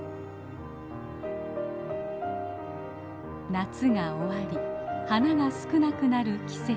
夏が終わり花が少なくなる季節。